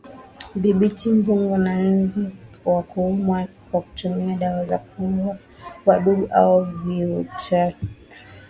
Dhibiti mbungo na nzi wa kuuma kwa kutumia dawa za kuua wadudu au viuatilifu